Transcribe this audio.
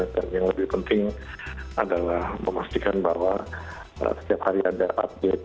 dan yang lebih penting adalah memastikan bahwa setiap hari ada update